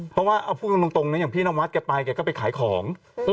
เพราะว่าเอาพูดตรงนะอย่างพี่นวัดแกไปแกก็ไปขายของ